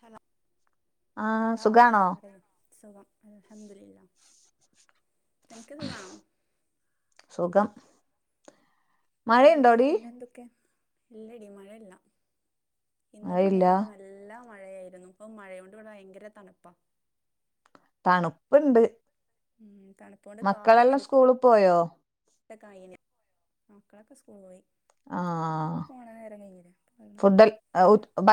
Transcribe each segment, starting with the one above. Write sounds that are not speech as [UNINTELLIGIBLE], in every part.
Hello ആഹ് hello സുഖാണോ? പറയൂ സുഖം അൽഹംദുലില്ലാ നിനക്ക് സുഖാണോ? സുഖം പറയു മഴയുണ്ടോടി? പിന്നെ എന്തൊക്കെയാ ഇല്ലടി മഴ ഇല്ലാ ഇന്നലെ മഴയില്ല മിനിയാന്നൊക്കെ നൽ നല്ലാ മഴയായിരുന്നു ഇപ്പൊ മഴയോണ്ട് ഇവിടെ ഭയങ്കര തണുപ്പാ തണുപ്പ്ണ്ട് ഉം തണ്പ് മക്കളെല്ലം സ്കൂള് പോയോ? [UNINTELLIGIBLE] ആയിനി മക്കളൊക്കെ സ്കൂൾ പോയി ആഹ് പോണ നേരം കയ്ഞ്ഞീല്ലേ ഉം ഫുഡ്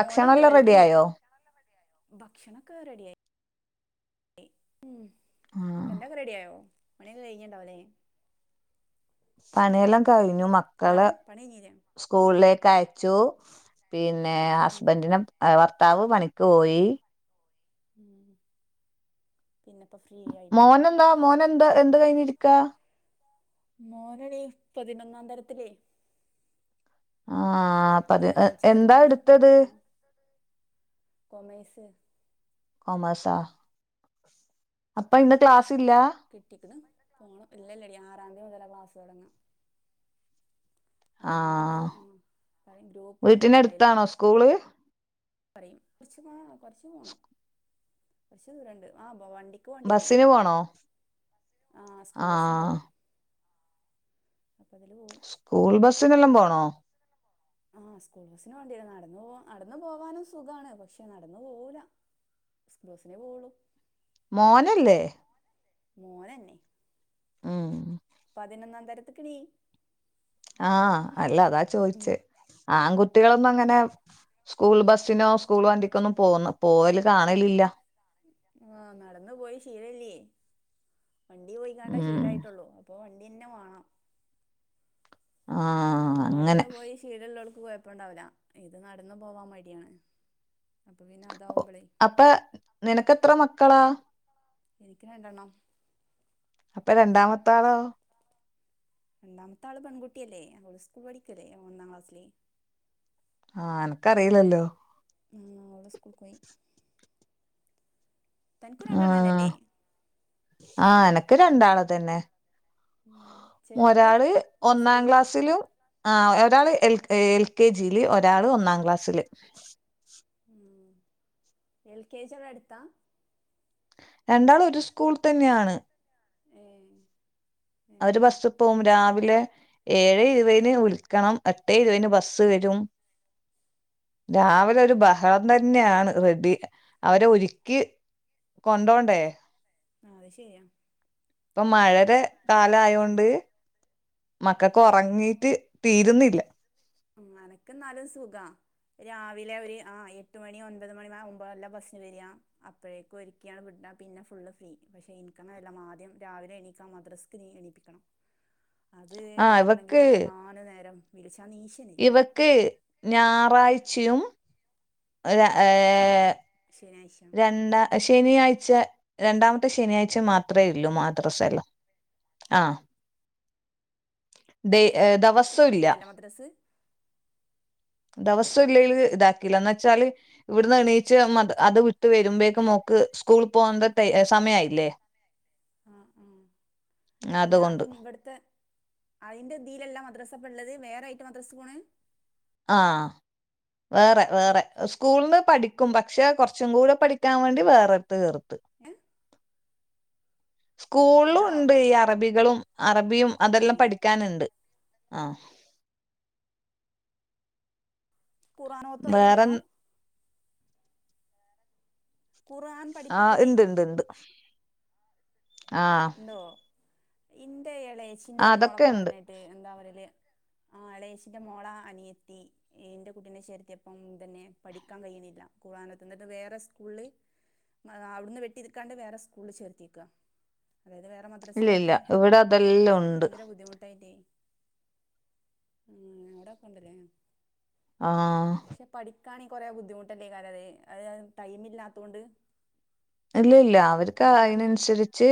മോന്ണ്ട് വൽത്ണ്ട് റെഡിയായോ? ഭക്ഷണക് [UNINTELLIGIBLE] ഭക്ഷണൊക്കെ റെഡി ആയി ഉം ആഹ് തൻ്റൊക്കെ റെഡിയായോ പണിയൊക്കെ കയ്ഞ്ഞ്ണ്ടാവൂല്ലേ പണിയെല്ലാം കഴിഞ്ഞു മക് ഹലോ പണികയിഞ്ഞീലെ? സ്കൂളിലേക്ക് അയച്ചു പിന്നെ ഉം ഹസ്ബൻന്റിനേ ഭർത്താവ് പണിക്ക് പോയി ഉം പിന്നെപ്പം ഫ്രീ ആയിട്ട് കുത്തിർക്കാ മോനെന്താ മോനെന്താ എന്ത് കഴിഞ്ഞിരിക്കാ? മോനെനി പതിനൊന്നാം തരത്തിലേ ആഹ് പതി ഏഹ് എന്താ ചേർന്നിക്കണ് എടുത്തത്? ഉം കൊമേഴ്സ് കൊമേഴ്സാ? അപ്പ ഇന്ന് ക്ലാസ്സില്ലാ? കിട്ടിക്ണ് പോണം ഇല്ലല്ലെടി ആറാം തയതി മുതലേ ക്ലാസ് തോടങ്ങ്ണ് തീയതി ആഹ് മുതൽ ആ പറയും ഗ്രൂപ്പ് വീട്ടിന എടുത്താണോ സ്കൂള് പറിം കോറച്ച് പോണം കൊറച്ച് പോണം കൊറച്ച് ദൂരുണ്ട് ആ പോ വണ്ടി ണ്ടിവരും ബസ്സിന് പോണോ? ആഹ് സ്കൂൾ ആഹ് ബസ്ണ്ടാവും അപ്പൊ അതില് പോകും സ്കൂൾ ബസ്സിനെല്ലാം പോണോ ആഹ് സ്കൂൾ ബസിന് വേണ്ടിരുന്നു നടന്ന്പോ നടന്ന് പോവാനും സുഗാണ് പക്ഷെ നടന്നു പോവൂല സ്കൂബസിനെ പോകള്ളൂ മോനല്ലേ മോനന്നെ ഉം പതിനൊന്നാം തരത്തിക്കടി ആഹ് അല്ല അതാ ചോദിച്ചേ ആൺകുട്ടികളൊന്നും അങ്ങനെ സ്കൂൾ ബസ്സിനോ സ്കൂൾ വണ്ടിക്കൊന്നും പോകന്ന് പോവല് കാണലില്ല ആഹ് നടന്നു പോയി ശീലല്ലേ വണ്ടി പോയിക്കാണ്ട ഉം ശീലായിട്ടുള്ളു അപ്പോ വണ്ടിന്നെ വേണം ആഹ് അങ്ങനെ നടന്ന് പോയി ശീലള്ളോൽക്ക് കോഴപ്പം ണ്ടാവില്ല ഇത് നടന്ന് പോവാൻ മടിയാണ് അപ്പൊ പിന്നെ അതാവുമ്പളേ അപ്പൊ നിനക്ക് എത്ര മക്കളാ എനിക് രണ്ടെണ്ണം അപ്പൊ രണ്ടാമത്താളോ രണ്ടാമത്തെ ആള് പെൺകുട്ടിയല്ലേ അവൾ സ്കൂൾ പഠിക്കല്ലേ ഒന്നാം ക്ലാസ്സില് ആഹ് എനക്ക്റില്ലല്ലോ ഉം അവള് സ്കൂൾകോയി തനിക്കും ആഹ് രണ്ടെണ്ണനല്ലേ ആഹ് എനക്ക് രണ്ടാള് തന്നെ ഉം ചെറുത് ഒരാള് ഒന്നാം നഴ്സറി ക്ലാസ്സിലും ആ ഒരാള് എ എൽ കെ ജിയില് ഒരാള് ഒന്നാം ക്ലാസ്സില് എൽ കെ ജിവ്ടെ അടുത്താ രണ്ടാൾ ഒരു സ്കൂൾ തന്നെയാണ് ഏ ഏ അവര് ബസ് പോവും രാവിലെ ഏഴ് ഇരുപതിന് വിളിക്കണം എട്ടേ ഇരുപതിന് ബസ്സ് വരും രാവിലെ ഒരു ഉം ബഹള അ തന്നെയാണ് റെഡി അവരെ ഒരു കി കൊണ്ടോണ്ടേ ആ അത് ശെരിയാ ഇപ്പൊ മഴയുടെ കാലയൊണ്ട് മക്കൾക്ക് അനക്ക് ഉറങ്ങീട്ട് തീരുന്നില്ല അനക്ക ന്നാലും സുഖാ രാവിലെ ഒരു ആ എട്ട് മണി ഒൻപത് മണി മുമ്പല്ല ബസ്സിന് വരാ അപ്പോഴേക്കും ഒരുക്കിയാണ് വിട്ടാ പിന്നെ ഫുള് ഫ്രീ പക്ഷെ എനിക്കങ്ങനെ അല്ല ആദ്യം രാവിലെ എണീക്ക് ആ മദ്രസ് പിന്നിം എണീപ്പിക്കണം അത് ആ എണപ്പിക്കണെങ്കി ഇവക്ക് എത്രങ്ങാനും നേരം വിളിച്ചാ നീച ഇവക്ക് ഞായറാഴ്ചയും [UNINTELLIGIBLE] ഏഹ് ശനിയാഴ്ച രണ്ട ശനിയാഴ്ച രണ്ടാമത്തെ ശനിയാഴ്ച മാത്രേയൊല്ലൂ മദ്രസല്ലൊം ആഹ് ദെ ആഹ് ദെവസൊല്ല ഇതിലല്ല മദ്രസ് ദെവസല്ലേലും ഇതാക്കില്ല ന്നച്ചാല് ഇവട്ന്നെണീച്ച് മത അത് ട്ട് വെരുമ്പഴേക്കും മോക്ക് സ്കൂള് പോവേണ്ട ടൈ എഹ് സമയായില്ലേ ആഹ് ഉം അല്ല അതുകൊണ്ട് അപ്പം ഇവട്ത്തെ അയ്ന്റെ ഇതിലല്ല മദ്രാസപള്ളത് വേറെയ്ട്ട് മദ്രസ് പോണെ ആഹ് വേറെ വേറെ സ്കൂൾന്ന് പഠിക്കും പക്ഷെ കൊർച്ചും കൂടെ പഠിക്കാൻ വേണ്ടി വേറെട്ത്ത് ചേർത്തു. [UNINTELLIGIBLE] സ്കൂൾ ഹലോ ള്ണ്ട് ഈ അറബികളും അറബിയും ഏ അതെല്ലാം പഠിക്കാന്ണ്ട് ആഹ് ഖുർആനോത്ത് അയ്ല് ല്ല വേറെ ഖുർആൻ ആഹ് പഠിപ്പിക്കലേ ഇണ്ട് ണ്ട് ണ്ട് ആഹ് ഓഹ് ഇന്റെ ഇളേച്ചിന്റെ അതൊക്കെ മോളൊക്കെ ഇണ്ട് പർഞ്ഞേട്ട് എന്താ പറ്യല് ആഹ് അളേച്ചിന്റെ മോള അനിയെത്തി അയ്ൻ്റെ കുട്ടി നെ ചേർത്ത്യപ്പം ഇതെന്നെ പഠിക്കാൻ കയ്യിണില്ല ഖുർആനോത്ത് ന്നട്ട് വേറെ സ്കൂൾ ള് [UNINTELLIGIBLE] അവട്ന്ന് വെട്ടിട്ക്കാണ്ട് വേറെ സ്കൂൾ ള് ചേർത്ത്യേക്ക. അതായത് വേറെ ഇല്ല ഇല്ല മദ്രസിലാക്കി ഇവിടെ അതെല്ലാം ഉണ്ട് ഭയങ്കര ബുദ്ധിമുട്ടായിട്ടേ ഉം എവടൊക്കെണ്ട്ല്ലേ ആഹ് പക്ഷെ പഠിക്കാണെ കൊറേ ബുദ്ധിമുട്ടല്ലേകാരത് അത് ടൈംമില്ലത്തൊണ്ട് ഇല്ല ല്ല അവര്ക്ക് അയ്നൻസരിച്ച്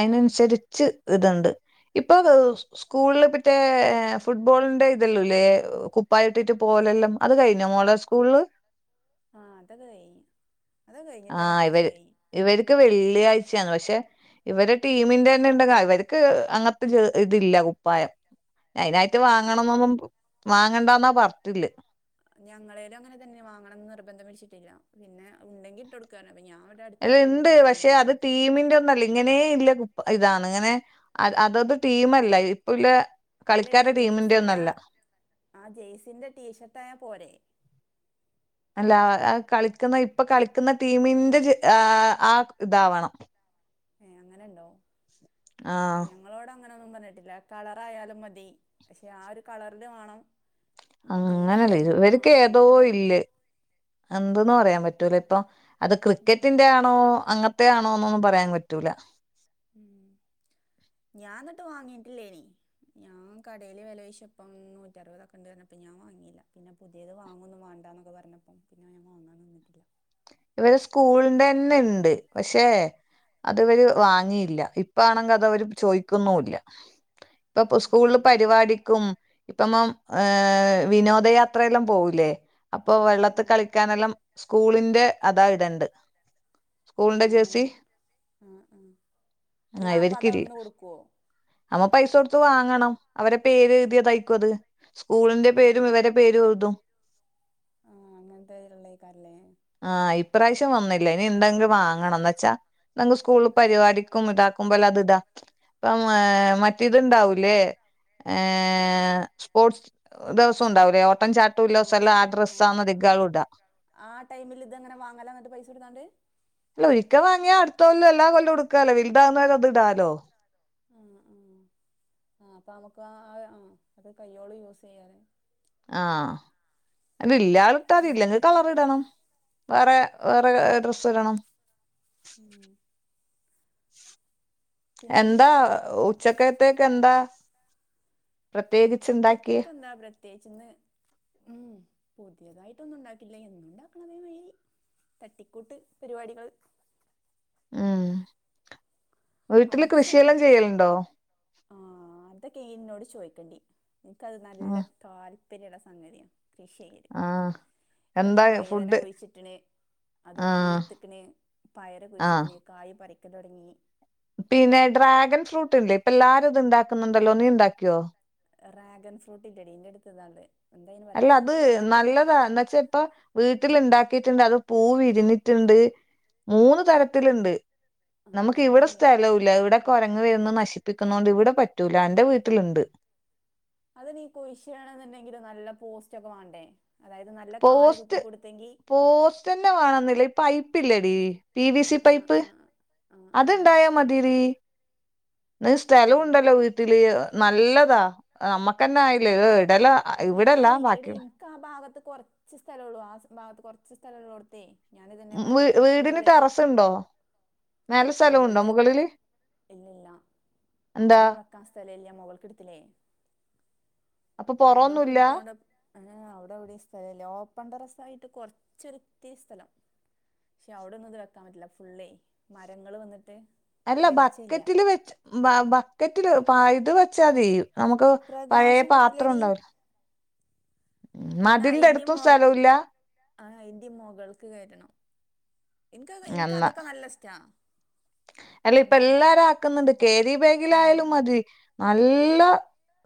അയ്നൻസരിച്ച് ഇത്ണ്ട്. ഇപ്പൊ [UNINTELLIGIBLE] സ്കൂളില് പറ്റേ ഫുട്ബോളിന്റെ ഇതല്ലൂല്ലേ കുപ്പായിട്ടിട്ട് പോവലെല്ലാം അത് കഴിഞ്ഞ മോളെ സ്കൂൾ ള് ആഹ് അതൊക്കെ കഴിഞ്ഞ്. അതൊക്കെ കഴിഞ്ഞിട്ട് ആഹ് ഒരാഴ്ച ഇവര് കഴിഞ്ഞ് ഇവര്ക്ക് വെള്ളിയാഴ്ചയാണ് പക്ഷെ ഇവടെ ടീമിന്റെന്നെണ്ട് [UNINTELLIGIBLE] അവര്ക്ക് അങ്ങൻത്തെ ജോ ഇതില്ല കുപ്പായം അയ്നി റ്റ് ഉം വാങ്ങണന്നൊന്നും വാങ്ങണ്ടന്നാ പർഞ്ഞ്ട്ട് ല്ലെ ഞങ്ങളെലും അങ്ങനെ തന്നെ വാങ്ങണം ന്ന് നിർബന്ധം പിടിച്ചിട്ടില്ല പിന്നെ ഉണ്ടെങ്കി ഇട്ടൊട്ക്കാർഞ്ഞ് അപ്പ ഞാൻ അല്ല അടുത്തുള്ള ഒരു ഇണ്ട് വീട്ടിന്ന് പക്ഷെ വാങ്ങിക്കാണ്ട് അത് കൊടുത്തു ടീമിൻ്റൊന്നല്ല ഇങ്ങനേയില്ലേ കുപ്പ ഇതാന്ന് അങ്ങനെ അ അതത് ടീമല്ല ഇപ്പുല്ലെ അല്ലടി ജെയ്സിന്റ ആ ആ ജെയസിന്റെ ടീഷർട്ടായാ പോരെ? അല്ല ആ കളിക്ക്ന്ന ഇപ്പൊ കളിക്ക്ന്ന ടീമിന്റെ ജെ ആ ആ ഇതാവണം ഏഹ് അങ്ങനെണ്ടോ ആഹ് ഏഹ് അ ങ്ങളോട് അങ്ങനൊന്നും പർഞ്ഞിട്ടില്ല കളറായാലും മതി പക്ഷെ ആ ഒരു കളറില് വാണം അങ്ങനെല്ലേ ഇവര്ക്ക് ഏതോ അങ്ങനെ പറഞ്ഞു ഇല്ല് എന്തൂന്ന് പറയാൻ പറ്റൂലിപ്പൊ അത് ഉം ക്രിക്കറ്റിന്റെ അ ണോ അങ്ങൻത്ത്യാണോ ന്നൊന്നും പറയാൻ പറ്റൂല. ഉം ഞാൻ ന്ന്ട്ട് വാങ്ങിട്ടില്ലേനി ഞാൻ കടേല് വെലോയ്ച്ചപ്പം നൂറ്ററുപതൊക്കെണ്ടർഞ്ഞപ്പോ ഞാൻ വാങ്ങില്ല പിന്ന പുതിയത് വാങ്ങൊന്നു വാണ്ടന്നൊക്കെ പർഞ്ഞപ്പം പിന്നെ ഞാൻ വാങ്ങാൻ നിന്നിട്ടില്ല. ഇവരെ സ്കൂൾന്റെ ന്നെണ്ട് പക്ഷേ അത് ഇവര് വാങ്ങിയില്ല ഇപ്പാണെങ്കി അതവ ര് ചോയിക്കുന്നുല്ല ഇപ്പൊ പ്പൊ ഉം സ്കൂളില് ഉം പരിപാടിക്കും ഇപ്പൊ മം ഏ വിനോദയാത്രയെല്ലം പോവൂലേ അപ്പൊ വെള്ളത്തി ഉം കളിക്കാനെല്ലം സ്കൂളിന്റെ അതാ ഇതണ്ട് സ്കൂളിന്റെ ആഹ് അങ്ങനെ ജേഴ്സി ആഹ് ആഹ് ആ അല്ല അപ്പൊ അത് ഇവരിക്കില്ല അവിടുന്ന് കൊടുക്കുവോ അപ്പൊ പൈസ കൊടുത്ത് വാങ്ങണം അവരെ പേര് ഇതീ തൈക്കു അത് സ്കൂളിന്റെ പേരും ഇവരെ പേരും എഴുതും ആ അങ്ങനത്തെ ഇള്ളെയ്ക്കാരല്ലേ ആ ഇപ്രാവശ്യം വന്നില്ല ഇനി ഇണ്ടെങ്കി വാങ്ങണംന്ന് വെച്ചാ ന്തങ്കു സ്കൂള പരിപാടിക്കും ഇതാക്കുമ്പോല്ലാം അത് താക്കി ഇപ്പ ഏ മറ്റേത്ണ്ടാവൂലേ ഏ സ്പോർട്സ് ദെവസം ഉണ്ടാവൂലെ ഓട്ടം ചാട്ടും ല്ലസെല്ലം ആ ഡ്രസ്സാന്ന്‌ ഇതികാളും ഇടാ ആ ടൈമില് ഇതങ്ങനെ വാങ്ങല ന്നിട്ട് പൈസ കൊടുക്കാണ്ട് അല്ല ഒരിക്ക വാങ്ങിയ അടുത്തകൊല്ലോ എല്ലാ കൊല്ലോ ഉടുക്കാല്ലോ വിൽതാകുന്നവരെ അത് ഇടാലോ ആ ആ ആ അപ്പ നമുക്ക് ആ അത് കയ്യോളം യൂസ് ചെയ്യാലൊ ആ അത് ഇല്ല്യാതെ ഇട്ടാതി ആഹ് ഇല്ലെങ്കി കളറ് ഇടണം വേറെ വേറെ ഡ്രസ്സ് ഇടണം ഉം എന്താ പിന്നെന്തൊക്കെയാ ഉച്ചക്കേത്തേക്കെന്താ? ഉച്ചക്കത്തേക്കെന്താ പ്രത്യേകിചിന്ന് ഉം പുതിയതായിട്ടൊന്നും ഉണ്ടാക്കില്ല എന്നു ണ്ടാക്കണ അതേ മാരി തട്ടിക്കൂട്ട് പരിപാടികള് ആഹ് വീട്ടില് ആച്ചോ കൃഷിയെല്ലം ചെയ്യലുണ്ടോ? ആ അതൊക്കെ ഇ ന്നോട് ചോയ്ക്കണ്ടി ഇക്കത് നല്ല ആ താല്പര്യള്ള സംഗതിയ കൃഷി ചെയൽ ആഹ് ഇപ്പൊ ഞാൻ വയ്തന കുയിച്ചട്ടിണ്‌ അത് ആ പൂത്ത്ക്ക്ണ്‌ പയറ് ആ കുയിച്ചിട്ട്ണ്‌ കായ് പറിക്കാ തുടങ്ങി പിന്നെ ഡ്രാഗൻ ഫ്രൂട്ട് ഇല്ലേ ഇപ്പൊ എല്ലാരും ഇത് ഇണ്ടാക്കുന്നുണ്ടല്ലോ നീ ഇണ്ടാക്കിയോ? റാഗൻ ഫ്രൂട്ട് ഇല്ലെടി ഇന്റെ ടുത്ത് ഇതാള്ളെ അല്ല അത് നല്ലതാ ന്ന് വെച്ചേ ഇപ്പൊ വീട്ടില് ഇണ്ടാക്കിട്ട്ണ്ട് അത് പൂ വിരിഞ്ഞിട്ട്ണ്ട് മൂന്ന് തരത്തില്ണ്ട് ആ നമുക്ക് അത് ഇവിടെ ശരിയാ സ്ഥലൂ ല്ല ഇവിടെ കൊരങ്ങ് വരുന്ന് ഉം നശി പ്പിക്ക്ന്നോണ്ട് ഇവിടെ പറ്റൂല അന്റെ വീട്ടിലിണ്ട് അത് നീ കുയിഷിടണന്നുണ്ടെങ്കില് നല്ല പോസ്റ്റ് ഒക്കെ വാണ്ടേ അതായത് നല്ല കാല് കുത്തി കൊടുത്തെങ്കി ഇതെന്നെ വേണോന്നില്ല ഈ പൈപ്പ് ഇല്ലെടി പി വി സി ആ പൈപ്പ് ആ ആ ആ അത്ണ്ടായമതിടീ ഇത് ആ സ്ഥലം ഉണ്ടല്ലോ വീട്ടില് നല്ലതാ നമ്മുക്ക്ന്നെ ആയില്ലേ ഏ ഇടലാ പക്ഷെ ഞാൻ ഈ എടീ ഇൻകാ ഭാഗത്ത് കൊറച്ച് സ്ഥലള്ളൂ ആ ഭാഗത്ത് കുറച്ച് സ്ഥലള്ളോട്ത്തെ ഞാന് തന്നെ പ കൃഷികള് ച്ച് ണ്ടോ നല്ല സ്ഥലം ഉണ്ടോ മുകളില് എന്താ ക്കാ സ്ഥലല്ല്യ മുകൾക്ക് എടുത്തില്ലേ അപ്പൊ മുകൾക്ക് പൊറൊന്നുല്ല എടുത്തോണ്ട് ആ അവിടെഎവിടെ സ്ഥലല്ല ഓപ്പൺ ടെറസ്സായിട്ട് കൊറച്ചോരുത്തിരി സ്ഥലം പക്ഷെ അവിടൊന്നും ഇത് വെക്കാൻ പറ്റില്ല ഫുള്ളെ മരങ്ങള് വന്നിട്ട് അല്ല വെളിച്ചമില്ല ബക്കറ്റില് വെച്ച് ബക്കറ്റില് പ ഇത് വെച്ചാതി നമുക്ക് പഴയ പ്രകാശം പാത്രം കിട്ടൂലടി ഉണ്ടാവുലെ പിന്നെ മതിൽന്റെ അയിന്റെ എടുത്തും മൊ സ്ഥലവില്ല ആ അയ്ന്റിം മുകൾക്ക് കേറ്റണം ഇൻക്ക് ഇൻക്ക് എന്നാ അതൊക്കെ നല്ല ഇഷ്റ്റാണ് അല്ല ഇപ്പ എല്ലാരും ആക്കുന്നുണ്ട് ഉം കേരിബാഗിലയാലും മതി നല്ല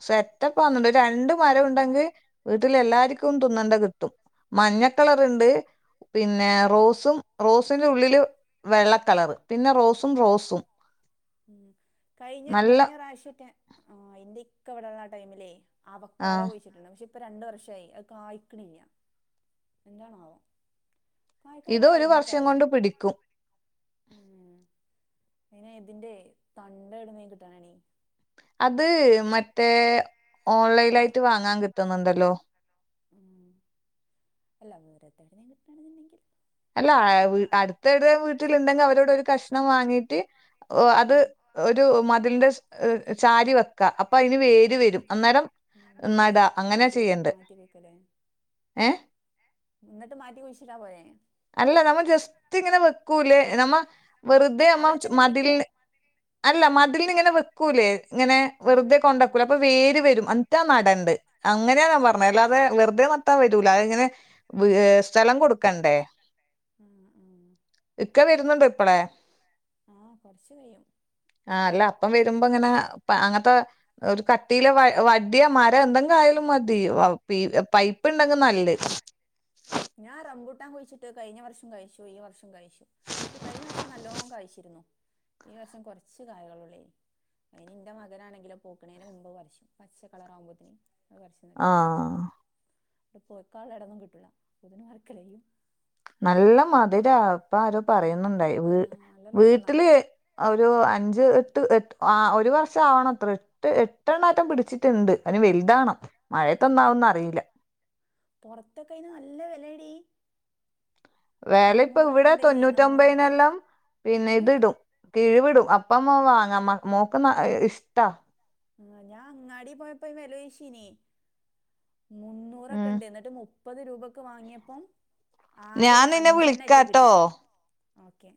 സെറ്റപ്പാന്നുണ്ട് ഒര് രണ്ട് മരം ഉണ്ടെങ്കി വീട്ട്ലെ എല്ലാരിക്കും തിന്നണ്ടത് കിട്ടും മഞ്ഞക്കളറ്ണ്ട് പിന്നെ റോസും റോസിനുള്ളില് വെള്ളക്കളറ് പിന്നെ റോസും റോസും ഉം കഴിഞ്ഞ നല്ല കഴിഞ്ഞ റാവ്ശ്യൊക്കെ ആ എന്റിക്ക ഇവ്ടെള്ള ആ ടൈമിലേയ് ആ അവക്കാട കുഴിച്ചിട്ടുണ്ട് പക്ഷെ ഇപ്പൊ രണ്ട് വർഷയി അത് കായ്ക്ക്ണില്ല്യ എന്താണാവോ കായ്ക്കാള്ള ഇത് ഒരു ടൈമൊക്കെ വർഷം ആയിണ് കൊണ്ട് പിടിക്കും ഉം അയ്‌ന് ഇതിന്റെയ് തണ്ടെവ്ട്ന്നേം കിട്ടാനാണീ അത് മറ്റേ നെ ഓൺലൈലായ്റ്റ് വാങ്ങാൻ കിട്ടുന്നുണ്ടല്ലോ ഉം അല്ല വേറെതെവിടുന്നേലും കിട്ടാണെങ്കിലും വെക്കല്ലോ അല്ല ആ വ് അട്ത്ത്വ്ടെ വീട്ടിലുണ്ടെങ്കി അവരോട് ഒരു കഷ്ണം വാങ്ങീട്ട് ഓ അത് ഉം ഒരു മതിലിന്റെ ചാരിവെക്ക അപ്പൊ അതിന് വേര് വരും അന്നേരം എന്നിട്ട് നട അങ്ങനെ മാറ്റി കൊട് ചെയ്യണ്ട് മാറ്റി കൊട്ക്ക ലേ ഏ ന്നിട്ട് മാറ്റി കുഴിശിട്ടാ പോരെ അല്ല നമ്മൾ ജസ്റ്റ് ഇങ്ങനെ വെക്കൂലേ നമ്മ വെറുതെ നമ്മ അവിടെ ചു തന്നെ പിടിക്കും മതിലില് അല്ല മതിലില് ഇങ്ങനെ വെക്കൂലേ ഇങ്ങനെ ആഹ് വെറുതെ ആഹ് ആഹ് കൊണ്ടക്കൂലേ അപ്പൊ വേര് വരും മറ്റ നടണ്ട് അങ്ങനെയാ ഞാപറഞ്ഞെ അല്ലാതെ വെറുതെ നട്ടാൽ വരൂല അത് ഇങ്ങനെ വ് ഏ സ്ഥലം കൊടുക്കണ്ടേ ആഹ് ആഹ് ഇക്ക വരുന്നുണ്ടോ ഇപ്പളേ ആഹ് ആഹ് കൊറച്ച് കഴിയും ആ അല്ല അപ്പം വരുമ്പ ങ്ങനെ അങ്ങൻത്തെ ഒരു കട്ടിയില് വ വടിയാ മരാ എന്തെങ്കിലും ആയാലും മതി വ പി പൈപ്പ് ണ്ടെങ്കി നല്ലത് ഞാൻ റമ്പൂട്ടാൻ കുഴിച്ചിട്ട് കഴിഞ്ഞ വർഷം കായ്ച്ചു ഈ വർഷം കായ്ച്ചു പക്ഷെ കഴിഞ്ഞ വർഷം നല്ലോം കായിച്ചിരുന്നു ഈ വർഷം കൊറച്ച് കായകളൊള്ളേയ്ന് അയ്ന് ഇന്റെ മകനാണെങ്കിലോ പൊവ്ക്ക്ണേന മുമ്പ് പറിച്ചും പച്ച കളറാകുമ്പോത്തിന് അത് പർച്ച്ന്നല് കൈഞ്ഞ് ആഹ് ഇവ്ടെ പഴുക്കാള്ള എടൊന്നും കിട്ടുള്ള അപ്പോത്ത്ന് അറക്കലയ്യും നല്ല മധുരാ ഇപ്പ ആരോ ഉം നല്ല പറയുന്നുണ്ടായി വീ ആഹ് നല്ല രസള്ള വീട്ട്ല് കാണാന് ഒരു അഞ്ച് എട്ട് എട്ട് ആ ഒരു വർഷം ആവ്ണു അത്രേ എട്ട് എട്ടെണ്ണാറ്റം പിടിച്ചിട്ട്ണ്ട് അത് നി വെൽതാണം മഴയത്ത് ഒന്നാവന്ന് അറിയില്ല പൊറത്തൊക്കെ അയ്ന് നല്ല വെലേടീ വെല ഇപ്പ ഇവ്ടെ ഇണ്ടേനി ആഹ് തൊണ്ണൂറ്റൊമ്പതിനെല്ലാം പിന്നെ ഏഹ് ഇത്ടും കിഴിവ്ടും അപ്പമ്മോ വാങ്ങാം മോക്ക് ന ഇഷ്ട്ടാ ആ ഞ്ഞാ അങ്ങാടീ പോയപ്പോ വെലോയ്ശീനോയ് ഉം മുന്നൂറൊക്കെണ്ട് ന്ന്ട്ട് മുപ് മുപ്പത് രൂപക്ക് വാങ്ങിയപ്പം ഞാൻ ആകൊരു നിന്നെ അഞ്ചണ്ണേറ്റെ വിളിക്കാട്ടോ കിട്ടിട്ടുള്ളൂ ഓക്കെ